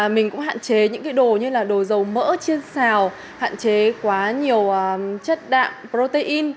mình cũng hạn chế những cái đồ như là đồ dầu mỡ trên xào hạn chế quá nhiều chất đạm protein